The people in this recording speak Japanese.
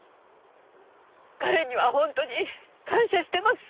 彼には本当に感謝してます。